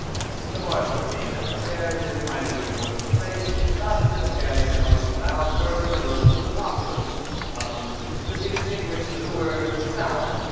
The marshal came downstairs, and finding the horses ready, got into the carriage, on which loud murmurs arose from the populace, amongst which could be distinguished the terrible word 'zaou!